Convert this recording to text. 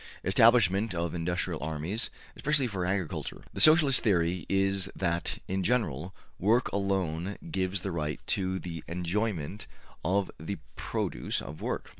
Establishment of industrial armies, especially for agriculture.'' The Socialist theory is that, in general, work alone gives the right to the enjoyment of the produce of work.